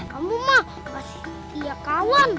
kamu mah masih tiga kawan